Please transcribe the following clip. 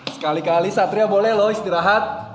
sekali kali satria boleh loh istirahat